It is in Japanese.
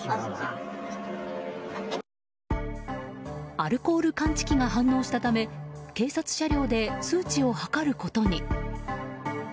アルコール感知器が反応したため警察車両で数値を測ることに。